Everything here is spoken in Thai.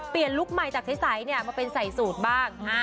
เปลี่ยนลุคใหม่จากใสมาเป็นใสสูตรบ้าง